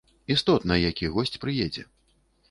Істотна, які госць прыедзе.